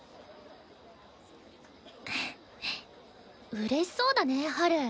うれしそうだねハル。